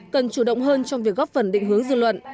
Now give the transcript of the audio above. cần chủ động hơn trong việc góp phần định hướng dư luận